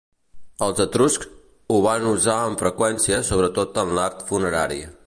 Els etruscs ho van usar amb freqüència sobretot en l'art funerari.